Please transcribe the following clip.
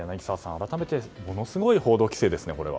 改めてものすごい報道規制ですねこれは。